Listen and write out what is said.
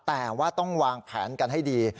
แต่ว่าต้องวางแผนกันให้ดี